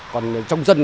còn trong dân